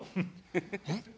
えっ？